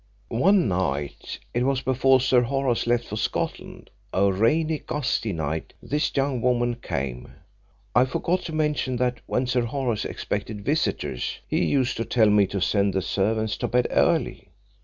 "One night, it was before Sir Horace left for Scotland a rainy gusty night, this young woman came. I forgot to mention that when Sir Horace expected visitors he used to tell me to send the servants to bed early.